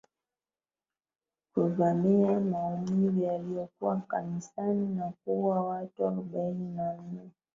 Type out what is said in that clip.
kuvamia waumini yaliokuwa kanisani na kuua watu arobaini na wanne